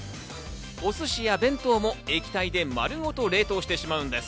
お寿司や弁当も液体で丸ごと冷凍してしまうんです。